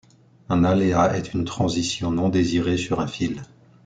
Un aléa est une transition non désirée sur un fil.